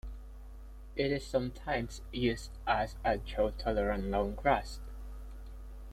It is sometimes used as a drought-tolerant lawn grass.